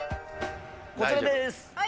こちらでーす。